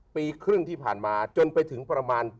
ปีครึ่งที่ผ่านมาจนไปถึงประมาณ